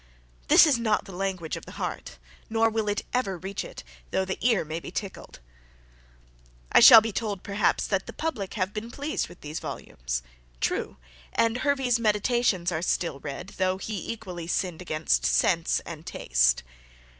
This is not the language of the heart, nor will it ever reach it, though the ear may be tickled. I shall be told, perhaps, that the public have been pleased with these volumes. True and Hervey's Meditations are still read, though he equally sinned against sense and taste.